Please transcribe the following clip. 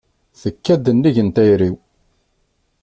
Tekka-d nnig n tayri-w.